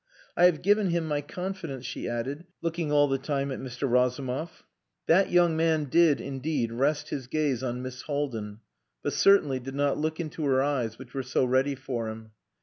"I have given him my confidence," she added, looking all the time at Mr. Razumov. That young man did, indeed, rest his gaze on Miss Haldin, but certainly did not look into her eyes which were so ready for him.